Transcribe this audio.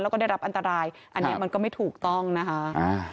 แล้วก็ได้รับอันตรายอันนี้มันก็ไม่ถูกต้องนะคะอ่า